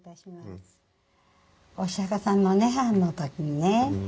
お釈迦さんの涅槃の時にね